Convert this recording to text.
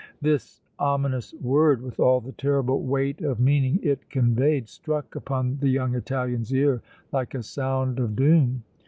This ominous word, with all the terrible weight of meaning it conveyed, struck upon the young Italian's ear like a sound of doom.